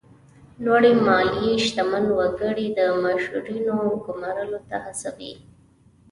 لوړې مالیې شتمن وګړي د مشاورینو ګمارلو ته هڅوي.